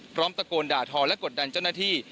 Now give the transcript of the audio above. ตะโกนด่าทอและกดดันเจ้าหน้าที่